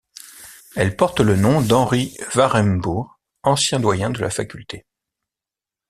Elle porte le nom d'Henri Warembourg, ancien doyen de la faculté.